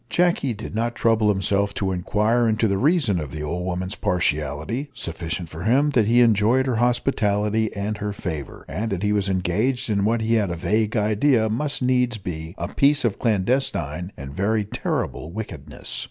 Jacky did not trouble himself to inquire into the reason of the old woman's partiality sufficient for him that he enjoyed her hospitality and her favour, and that he was engaged in what he had a vague idea must needs be a piece of clandestine and very terrible wickedness.